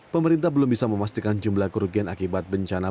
pemerintah belum bisa memastikan jumlah kerugian akibat bencana